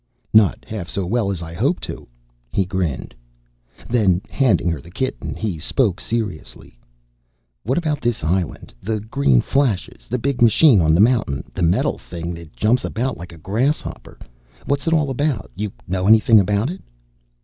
"Not half so well as I hope to," he grinned. Then, handing her the kitten, he spoke seriously. "What about this island? The green flashes? The big machine on the mountain? The metal thing that jumps about like a grasshopper? What's it all about? You know anything about it?"